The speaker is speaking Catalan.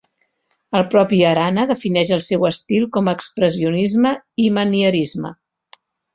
El propi Arana defineix el seu estil com a expressionisme i manierisme.